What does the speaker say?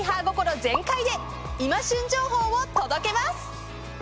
心全開で今旬情報を届けます。